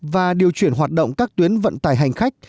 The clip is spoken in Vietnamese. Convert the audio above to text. và điều chuyển hoạt động các tuyến vận tải hành khách